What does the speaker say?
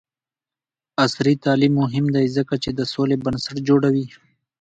عصري تعلیم مهم دی ځکه چې د سولې بنسټ جوړوي.